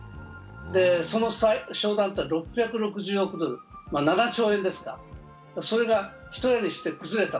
その商談は６６０億ドル、７兆円ですが、それが一夜にして崩れた。